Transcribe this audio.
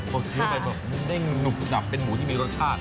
พอเขียวไปแบบเด้งหนูปเป็นหมูที่มีรสชาติ